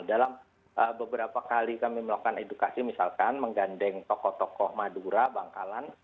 dalam beberapa kali kami melakukan edukasi misalkan menggandeng tokoh tokoh madura bangkalan